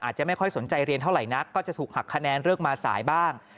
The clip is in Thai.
อาจจะไม่ค่อยสนใจเรียนเท่าไหร่นักก็จะถูกหักคะแนนเลือกมาสายบ้าง